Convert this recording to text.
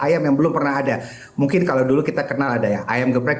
ayam yang belum pernah ada mungkin kalau dulu kita kenal ada ya ayam geprek